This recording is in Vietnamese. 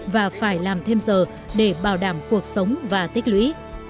và phải làm thêm giờ để bảo đảm cuộc sống và tích lũy